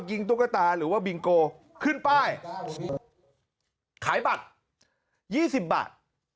ตุ๊กตาหรือว่าบิงโกขึ้นป้ายขายบัตร๒๐บาท